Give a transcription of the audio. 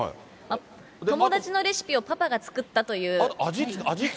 友達のレシピをパパが作ったという。